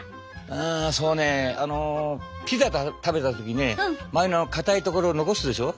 あそうねあのピザ食べた時ね周りのかたいところ残すでしょ。